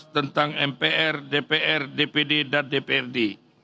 tentang mpr dpr dpd dan dprd